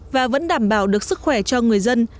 và vẫn đảm bảo được sức khỏe cho người dân